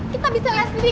kita bisa liat sendiri kan